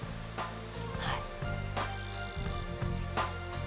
はい。